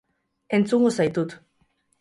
Entzungo zaitut.